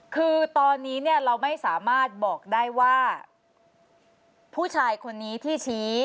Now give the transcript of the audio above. คือตอนนี้เนี่ยเราไม่สามารถบอกได้ว่าผู้ชายคนนี้ที่ชี้